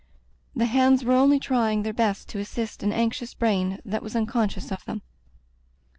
The hands were only trying their best to assist an anxious brain that was un conscious of them.